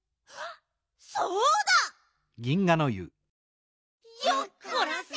そうだ！よっこらせ！